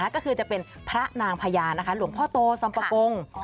ก็คือจะเป็นพระนางพญานะคะหลวงพ่อโตสัมปะกง